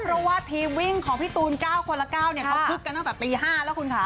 เพราะว่าทีมวิ่งของพี่ตูน๙คนละ๙เขาคึกกันตั้งแต่ตี๕แล้วคุณค่ะ